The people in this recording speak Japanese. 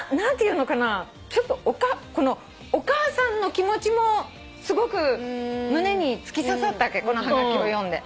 このお母さんの気持ちもすごく胸に突き刺さったわけこのはがきを読んで。